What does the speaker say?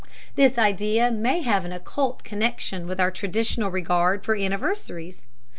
This idea may have an occult connection with our traditional regard for anniversaries.